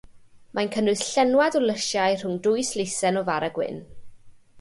Mae'n cynnwys llenwad o lysiau rhwng dwy sleisen o fara gwyn.